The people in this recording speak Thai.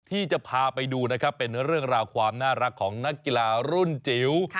ที่จะพาไปดูนะครับเป็นเรื่องราวความน่ารักของนักกีฬารุ่นจิ๋ว